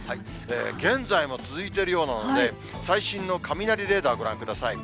現在も続いているようなので、最新の雷レーダーご覧ください。